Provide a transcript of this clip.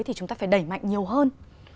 thì chúng ta phải đẩy mạnh nhiều hơn